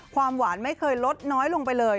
ความหวานไม่เคยลดน้อยลงไปเลย